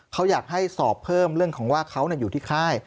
เขาอยากให้สอบเพิ่มเรื่องของว่าเขาอยู่ที่ค่าย